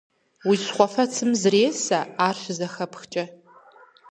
Уи щхьэфэцым зресэ, ар щызэхэпхкӀэ.